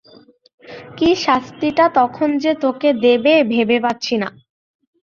কী শাস্তিটা তখন যে তোকে দেবে ভেবে পাচ্ছি না।